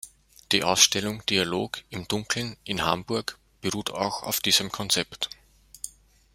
Die Ausstellung Dialog im Dunkeln in Hamburg beruht auch auf diesem Konzept.